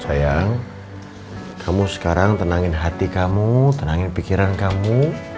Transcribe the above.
sayang kamu sekarang tenangin hati kamu tenangin pikiran kamu